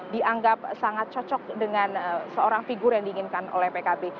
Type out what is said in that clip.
dianggap sangat cocok dengan seorang figur yang diinginkan oleh pkb